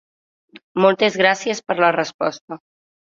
Moltes gràcies per la resposta.